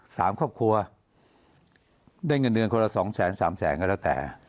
สามครอบครัวได้เงินเดือนคนละสองแสนสามแสนก็แล้วแต่